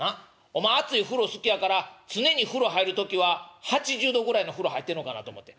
お前熱い風呂好きやから常に風呂入る時は８０度ぐらいの風呂入ってんのかなと思って」。